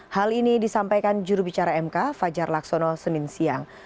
hal ini disampaikan jurubicara mk fajar laksono senin siang